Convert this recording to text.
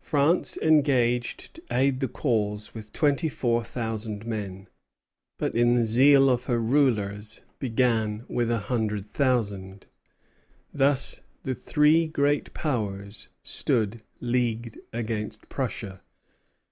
France engaged to aid the cause with twenty four thousand men; but in the zeal of her rulers began with a hundred thousand. Thus the three great Powers stood leagued against Prussia.